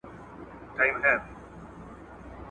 کله دي زړه ته دا هم تیریږي؟ ,